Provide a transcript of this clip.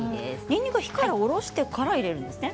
にんにくは火から下ろしてから入れるんですね。